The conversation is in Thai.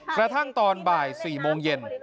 กระทั่งตอนบ่าย๔โมงเย็น